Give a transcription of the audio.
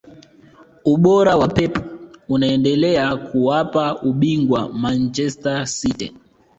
ubora wa pep unaendelea kuwapa ubingwa manchester city